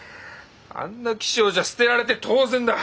あんな気性じゃ捨てられて当然だ！